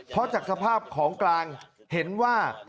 เพราะจากสภาพของกลางเห็นว่า